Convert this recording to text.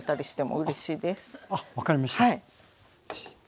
あっ分かりました。